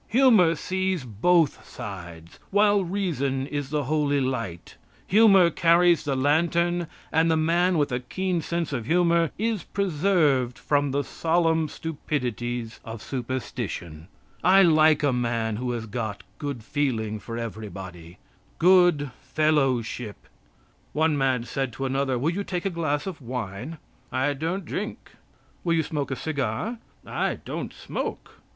Humor sees both sides, while reason is the holy light; humor carries the lantern and the man with a keen sense of humor is preserved from the solemn stupidities of superstition. I like a man who has got good feeling for everybody good fellowship. One man said to another: "Will you take a glass of wine?" "I don't drink." "Will you smoke a cigar?" "I don't smoke."